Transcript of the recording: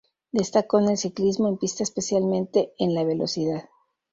Destacó en el ciclismo en pista especialmente en la Velocidad.